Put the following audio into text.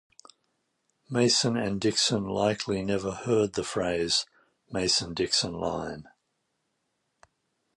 Mason and Dixon likely never heard the phrase, "Mason-Dixon line".